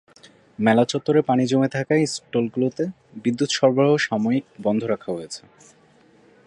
মেলা চত্বরে পানি জমে থাকায় স্টলগুলোতে বিদ্যুৎ সরবরাহ সাময়িক বন্ধ রাখা হয়েছে।